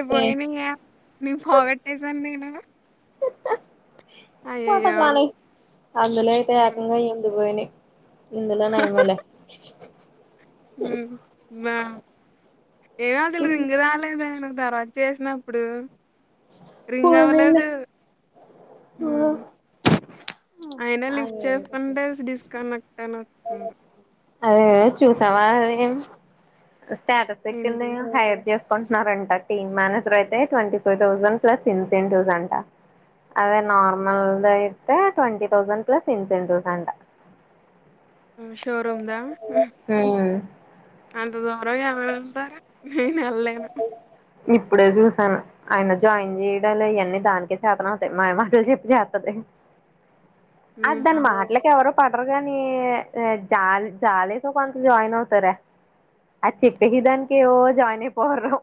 అ సే పోయినాయ నీ పోగొట్టేసాను నేను. పోతే అయ్యయ్యో! పోనీ అందులో అయితే హ్మ్. ఏకంగా రెండు పోయినాయి. ఇందులనే ఏమోలే, [unintelligible] ఉమ్ బ ఏమో డీల్ రింగు రాలేదు ఎందుకు ధరవ్ చేసినప్పుడు రింగ్ అవ్వలేదు. ఉమ్ అయినా లిఫ్ట్ చేస్తుంటే డిస్కనెక్ట్ అన్ని వస్తుంది. అదే చూసావా అదేం స్టేటస్ ఏంటి పెట్టిన్డెమో హై చేస్, అంటున్నారంట టీమ్ మేనేజర్ అయితే ట్వీ ఫోర్ తౌసండ్ ప్లస్ ఇన్సెంటివ్స్ అంట అదే నార్మల్ అయితే ట్వంటీ తౌసండ్ ప్లస్ ఇన్సెంటివ్స్ అంట. షోరూమ్ దా హ్మ్ అంతే గా, బాబాయో ఎవరు వెళ్తారె నేను వెళ్లలేను. ఇప్పుడే చూసాను ఆయన జాయిన్ చేయడలే అవన్నీ దానికే చేతనవుతాయి మాయ మాటలు చెప్పి చేత్తది. అది హ్మ్. దాన్ని అవును. మాట్లకి ఎవరు పడరు గాని జాల జాలేస కొంత జాయిన్ అవుతారా అది చెప్పే విధానికి ఏవో జాయిన్ అయిపో పోరు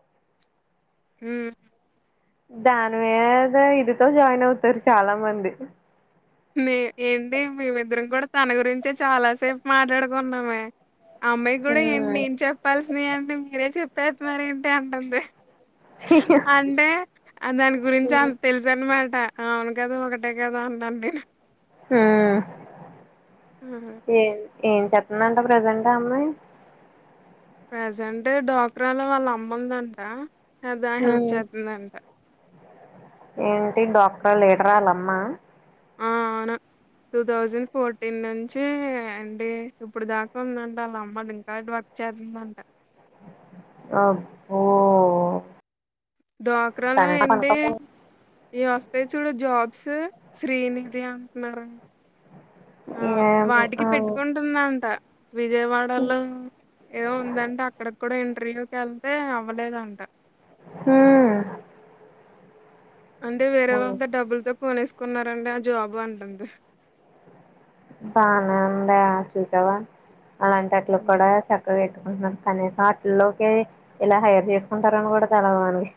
ఉమ్ దాని మీద ఏదో ఇదితో జాయిన్ అవుతారు చాలా మంది, నే ఏంటి మేమిద్దరం కూడా తన గురించే చాలాసేపు మాట్లాడుకున్నామే. అమ్మాయి కూడా ఏంటి హ్మ్ నేను చెప్పాల్సిన అన్ని మీరే చెప్పేస్తున్నారు ఏంటి అంటుంది. అంటే దాని గురించి అంత తెలుస అన్నమాట. అవును కదు ఒకటే కాద అన్నాను నేను మ్మ్ ఏం చేతుందంట ప్రజెంట్ అ అమ్మాయి. ప్రజెంటట్ డోక్రాలో వాళ్ళ అమ్ముందంట. అద హెల్ప్ హ్మ్ చేద్దందంట. ఏంటి డాక్టర్ ఎకరాలమ్మ. ఆ అవును టూ థౌజండ్ ఫోర్టీన్ నుంచి ఏంటి ఇప్పుడు దాకా ఉందంట వాళ్ళ అమ్మది ఇంకా వర్క్ చేస్తుందంట. అబ్బో. డ్వాక్రాలో కనీసం ఏంటి పనకపో ఈ వస్తాయి చూడు జాబ్. స్ శ్రీనిధి అంటున్నారురండి. ఆ ఏమో వాటికి పెట్టుకుంటుందంట విజయవాడలో ఏదో ఉందంట అక్కడ కూడా ఏ ప్రయకి వెళ్తే అవ్వలేదంట మ్మ్ అంటే వేరే వాళ్ళ డబ్బుతో కొనేసు కున్నారండి ఆ జాబ్ అంటుంది బానే ఉందాయా చూసావా అలాంటిట్లు హ్మ్. కూడా చక్కగా ట్కుు కనీసం ఆటల్లోకి ఇలా హైర్ చేసుకుంటారని కూడా తెలవాదు మనకి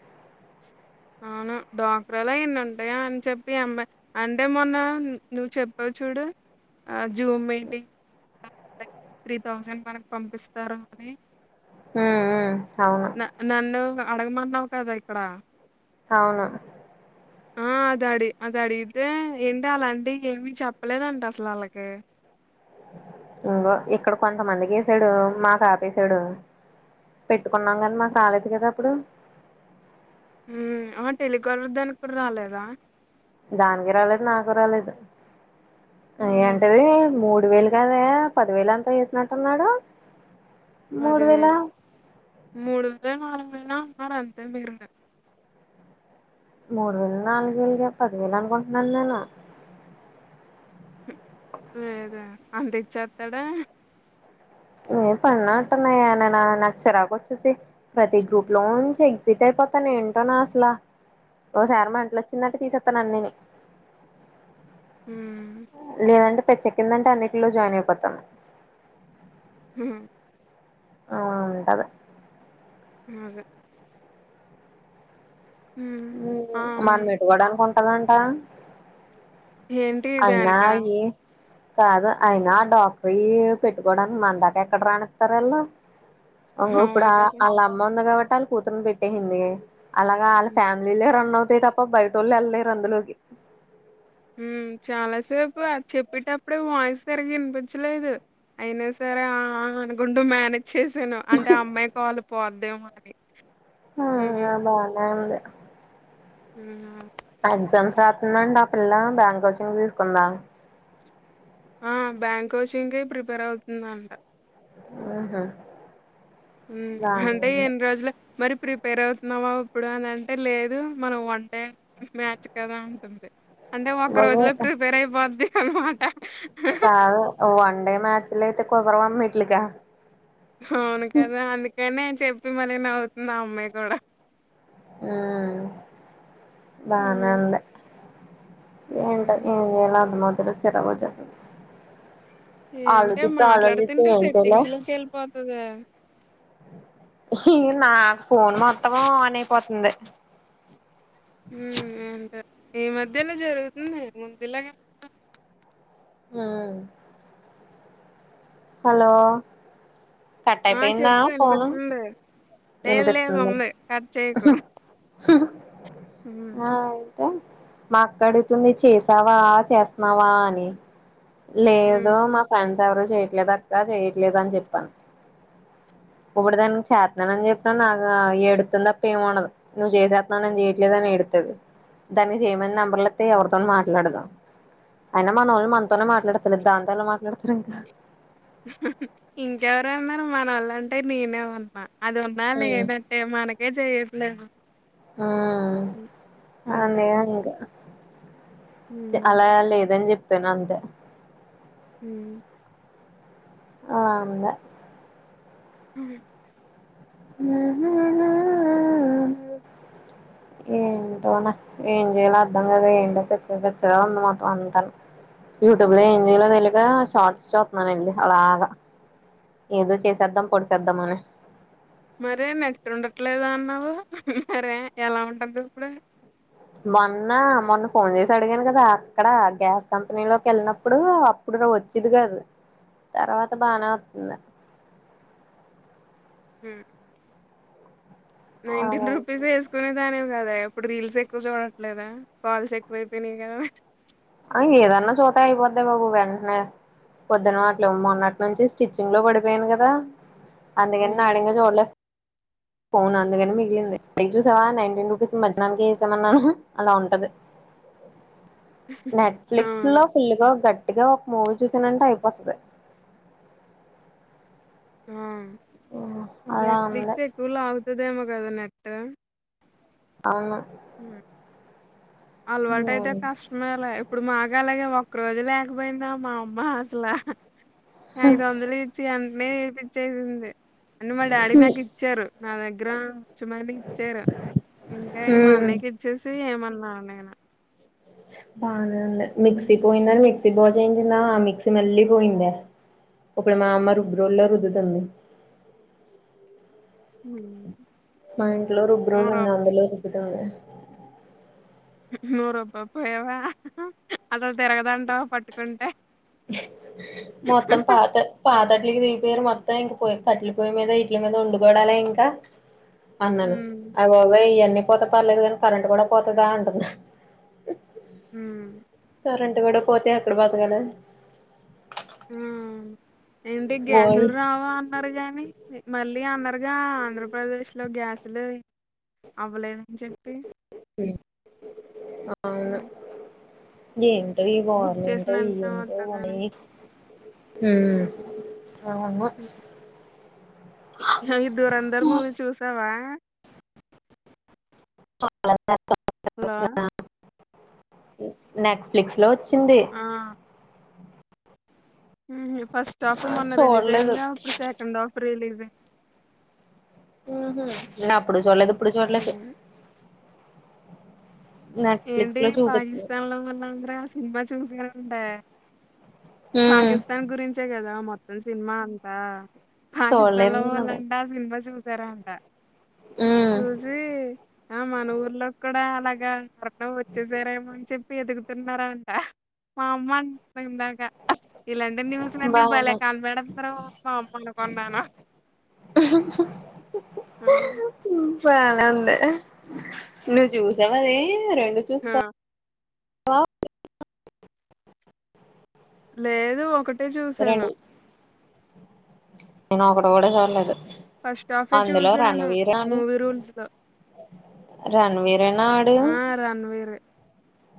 అవును ద్వక్రలో ఇన్ని ఉంటాయా అని చెప్పి అమ్మా అంటే మొన్న నువ్వు చెప్పావు చూడు ఆ జూమ్ మీటింగ్ త్రీ థౌజండ్ మనకి పంపిస్తారు అని మ్మ్ మ్మ్ అవును న నన్ను అడగమన్నావు కదా ఇక్కడ అవును ఆ అద అడి అది అడితే ఏంటి అలాంటి ఏమి చెప్పలేదంటడి అసలు వాళ్ళకి ఇంకో ఇక్కడ కొంతమందికి వసాడు మాకు ఆపసాడు పెట్టుకున్నాం కానీ మా రాలేదు కదా అప్పుడు ఆ టెలికాలర్ దానికి కూడా రాలేదా దానికి రాలేదు నాకు రాలేదు ఊహూ ఏంటది మూడు రెండు వేలు కదా పదివేలు ఎంతో వేసినట్టున్నాడు మ్మ్ [inaudible] అలా మార అ తంభరు మూడు వేలు నాలుగు వేలుగా పది వేలు అనుకుంటున్నాను నేను లేదు అంత ఇచ్చేస్తాడా న పెన్నాటన్న ననా నాకు చిరాకు వచ్చేసి ప్రతి గ్రూప్ లో నుంచి ఎగ్జిట్ అయిపోతాను ఏంటోనా అసలా ఓసారి మెంట్లొచ్చిందంటే తీసేస్తాను అన్నిని హ్మ్. లేనంట పిచ్చ కందంటే అన్నింటిలో జాయిన్ అయిపోతాను హ ఆ ఉంటుంది అదే హ్మ్. ఆహ్, మనం హ్మ్. పెటుకోడానికి అను అలాంట ఏంటి ధనిక కాదు అయినా డాక్టర్లు పెట్టు కోవడానికి మన దాకా ఎక్కడ రానితారు అల్లు ఇంకో ఇప్పుడు అవును కదా! వాళ్ళ అమ్మ ఉంది కాబట్టి తాల కూతురు పెట్టేసింది అలాగా వాళ్ళ హ్మ్. ఫ్యామిలీలే రన్ అవుతు అంతే తప్ప బయటోల్లు ఎళ్ళలేరు అందులోకి మ్మ్ చాలాసేపు అది చెప్పేటప్పుడే వాయిస్ సరిగా ఇనిపించలేదు అయినా సరే ఆ ఆ అనుకుంటూ మేనేజ్ చేసాను అంటే ఆ అమ్మాయి కాల్ పోద్ దే మరి హా బానే ఉంది అవునా ఎగ్జామ్స్ రాతుందంట ఆ పిల్ల బ్యాంకోచింగ్ తీసుకుందా ఆ బ్యాంక్ కోచింగ్కే ప్రిపేర్ అవుతుందంట ఊహు మ్మ్ అంటే ఎన్ని రోజుల మరి ప్రిప్ పేర్ అవుతున్నావా ఉప్పుడు అని అంటే లేదు మనం వన్ డే మ్యాచ్ కదా అంటుంది అంటే వొక్క బాబోయ్ రోజులో ప్రిపేర్ అయిపోద్ది ను [unintelligible] కాదు వన్ డే మాచ్ లోయతే కోదారావమ్మా ఇట్లేకే అవును కదా అందుకనే చెప్పి మళ్ళీ నవ్వుతుంది ఆ అమ్మాయి కూడా ఊ బానే హ్మ్ ఉంది ఏంటో హ్మ్ ఏం చేయాలో అర్థం మవ అదే చిరాకుచెతంది ఏంటే మాట్లాడుతుంటే చేయాలో సెట్టింగ్స్ లోకి ఎల్లపోతాది చీ నాకు ఫోన్ మొత్తం ఆన్ అయిపోతుంది హ్మ్ ఏంటో ఈ మధ్యనే జరుగుతుంది ముందు ఇలాగా హ్మ్ హలో ఆ కట్టయిపోయిందా చెప్పు ఫోను వినిపిస్తుంది లేదు లేదు వినిపిస్తుంది ఉంది కట్ చేయకు హు హు హ్మ్ అయ్ తే మా అక్క అడుగుతుంది చేసావా చేస్తున్నావా అని హ్మ్ లేదూ మా ఫ్రెండ్స్ ఎవరు చేయట్లేదక్క చేయట్లేదు అని చెప్పాను ఇప్పుడు దానికి చే [unintelligible] ఇగ ఏడుతుంది తప్ప ఏం ఉండదు నువ్ చేసేతున్నవ్ నేను చేయట్లేదు అని ఏడుత్తది దానికి చేయమని నంబర్ల ఇస్తే ఎవరితో మాట్లాడదు అయినా మనోళ్లు మనతోనే మాట్లాడతలే దాంతో ఎలా మాట్లాడతారు ఇంకా ఇంకెవరేవరు ఉన్నారు మనల్ళంటే నేనే ఉన్నా అదున్నా లేనట్టే మనకి [unintelligible] ఆ అంతే ఇగ హ్మ్ అలా లేదని చెప్పి చెప్పనంతే ఉమ్ ఆ అంద ఉమ్ ఆ ఏంటో ఏం చేయలో అర్ధం కాక ఏంటో పిచ్చ పిచ్చగా ఉంది మొత్తం అంతన్ యూట్యూబ్ లో ఏం చేయాలో తెలియక షార్ట్స్ చూతున్నానండి అలాగా ఏదో చేసేద్దాం పొడిసేద్దాం అని మరే నెట్ ఉండట్లేదు అన్నావు మరే ఎలా ఉంటుంది ఇప్పుడు మొన్న మొన్న ఫోన్ చేసి అడిగాను కదా అక్కడ గ్యాస్ కంపెనీ లోకి వెళ్ళినప్పుడు అప్పుడును వచ్చిది కాదు తర్వాత బానే వస్తంది ఉమ్ నైన్టీన్ రుపీస్ ఆ వేసుకునే దాని కదా ఇప్పుడు రీల్స్ ఎక్కువ చూడట్లేదా కాల్స్ ఎక్కువయిపోయినాయి కదా ఏదన్నా చుతే అయిపోదె బాబు వెంటనే పొద్దున అట్లు మొన్నటి నుంచి స్టిచ్చింగ్ లో పడిపోయాను కదా అందిగినే హ్మ్. నాడింగె చూడలే ఫోన్ అందుకని మిగిలింది పైక్ చూసావా నైన్టీన్ రూపీస్ మధ్యానానికి వేసామన్నాను అలా ఉంటది నెట్ఫ్లిక్స్ అవును. లో ఫుల్ గా గట్ గట్టిగా ఒక మూవీ చూసానంటే అయిపోతది ఉమ్ అలా ఉంది నెట్ఫ్లిక్స్ ఎక్కువ లాగ్ సుదేమో కద నెట్ అవును అలవాటయితే కష్టమేలే ఇప్పుడు మాక్ అలాగే ఒక్క రోజు లేకపోయిందా మా అమ్మ అసలు అది వందల రచి అంత మ పదింది అని మా డాడీ నాకు ఇచ్చారు నా దగ్గర చుమాలి ఇచ్చార ఇంకా మా హ్మ్ అన్నయ్యకి ఇచ్చేసి ఏమన్నా మా అన్నానా బాన్ మిక్సి పోయిందని మిక్స్ మిక్సి బాగు చేయిచిందా ఆ మిక్సి మళ్ళీ పోయింద ఇప్పుడు మా అమ్మ రుబ్బు రోల్లో రుద్దుతుంది హ్మ్ మా ఇంట్లో రుబ్బురోలు మరో ఉంది అందులో రుబ్బుతుంది నువు రుబ్బా పోయావా అసలు తిరగదంటావా పట్టుకుంటే మొత్తం పాత పాతట్ట్లకి దిగిపోయారు మొత్తం ఇంక కట్లే పొయ్యి మీద ఇట్ల మీద వండుకోవడాలే ఇంకా అన్నాను హ్మ్. అయ్ బాబోయ్ ఈ అన్ని పోతే పర్లేదు కానీ కరెంట్ కూడా పోతదా అంటది హ్మ్ కరెంట్ కూడా పోతే ఎక్కడ బతకాలి ఉ ఏంటి గ్యాసులు అవును రావా అన్నారు గాని మళ్ళీ అన్నారు త్వరగా ఆంధ్రప్రదేశ్ లో గ్యాసులు అవ్వలేదని చెప్పి ఎ ఆవును హ్మ్. ఏం ఇంట బుక్ బర్ంట చేసిన వెంటనే ఇంట కొనీ వత్తదని. హ దురేందర్ మూవీ చూసావా చులే హలో నెట్ఫ్లిక్స్ లో వచ్చి ఆ ఫస్ట్ హాఫ్ ఆ మొం రిలీజ్ చూడలేదు అయిందిగా అప్పుడు సెకండ్ హాఫ్ రిలీజ్ అయింది ఉహు ఉన్నపుడు చూడలేదు ఇప్పుడు చూడలేదు [unintelligible] హ్మ్. నెట్ఫ్లిక్స్ ఏంటి లో చూపిస్తుంది పాకిస్తాన్ లో ఉన్నాగ్ర సినిమా చూసినాంటే ఉమ్ పాకిస్తాన్ గురించే కదా మొత్ సినిమా అంతా పాకిస్తాన్ చూడలేదు లో నేను అది పోవాలంట అ సినిమా చూసి జరంత ఉమ్ చూసి ఆ మన ఊర్లో కూడా మగా నువ్వు వచ్చేసారేమో అని చెప్ ఎదుగుతున్నారా అంట మా అమ్మ అంటందాక ఇలాంటి న్యూస్లు అన్ని భలే బానే కనపెడతారు. మా అమ్మ అనుకున్నాను. ఆ పని ఉంది నువ్వు చూసావది రెండు ఆ! చూసె లేదు ఒకటి అట్టే చూసాను రెండు నేను ఒకటి కూడా చూడలేదు ఫస్ట్ హాఫే అందులో చూసాను రణవీర్ ఆడు మూవీ రూల్స్ లో రణవీరేనా ఆడు ఆ రణ్ వీరే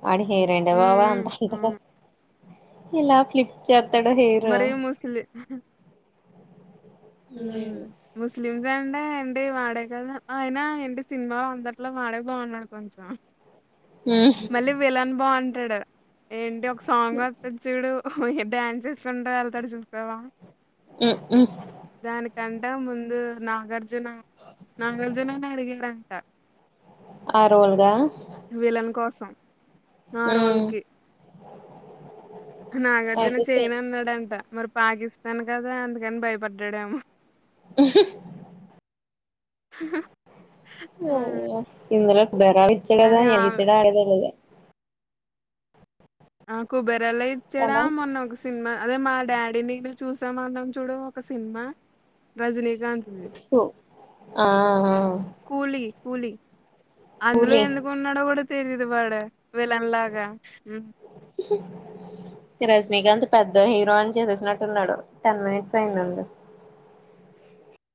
వాడి హెయిరేంటి వావా అంతాట ఇలా ఫ్లిప్చార్ట్ మరియు ముస్లి ఉ ముస్లిమ్స్ ఇదంటే ఏంటి వాడే కదా అయినా ఏంటి సినిమా అందట్లో వాడే బాగున్నాడు కొంచెం మళ్ళీ వెలము అన్ టడు అంటే ఒక్ సాంగ్ వొత్తది చుడు ఓ డ్యాన్సెస్లు ఉంట వెళ్తాడు చూసావా ఉ ఉమ్ రంటం ముందు నాగర్ జున నాగార్జుననే అడిగారట ఆ రోల్ గా సన్ ఆ రోల్ కి [inaudible] నాగార్జున అయితే చెయ్ చేయను అన్నాడంట మరి పాకిస్తాన్ గదా అందుకని భయపడ్డాడెమో ఉ హు [inaudible] ఆ! అయ్యో ఇందులో వరాలు ఇచ్చాడగదా కానీ ఆ ఎలాగిచ్చాడో అడగనే లేదు ఆ కుబ్బెర్ బలె ఇచ్చడా కదా మొన్న ఒక సినిమాల అదే మా డాడీ నిను చూసామన్నాం చూడు ఒక సినిమా రజనీ అలాటిదే ఆహ కూలి కూలి అందులో కూలీ ఎందుకు ఉన్నాడో గూడ సరిఎల్స్ వాడే విలన్ లాగా ఈ రజనీకాంత్ పెద్ద హీరోయిన్ చేసేసినట్టు ఉన్నాడు టెన్ మినిట్స్ అయిదండి